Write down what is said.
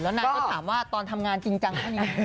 นางก็ถามว่าตอนทำงานจริงจังเท่านี้